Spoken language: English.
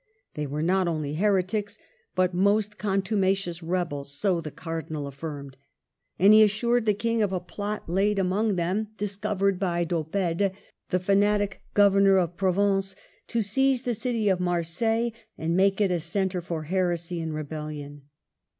They were not only heretics, but most contuma cious rebels, so the Cardinal affirmed. And he assured the King of a plot laid among them. DOWNFALL. 267 discovered by D'Oppede, the fanatic governor of Provence, to seize the city of Marseilles and make it a centre for heresy and rebellion.